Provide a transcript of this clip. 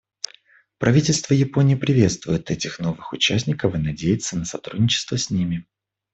Правительство Японии приветствует этих новых участников и надеется на сотрудничество с ними.